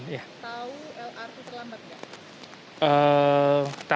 tahu lrt terlambat tidak